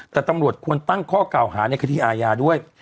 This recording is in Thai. แต่ตำรวจควรตั้งข้อเก่าหาในคดีอาญาด้วย